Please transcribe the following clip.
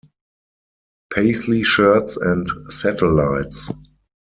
Paisley shirts and satellites.